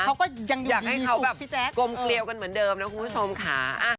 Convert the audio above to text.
อยากให้เค้ากลมเกลียวกันเหมือนเดิมนะคุณผู้ชมค่ะ